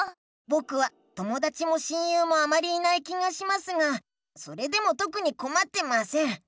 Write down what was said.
ぼくはともだちも親友もあまりいない気がしますがそれでもとくにこまってません。